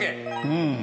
うん。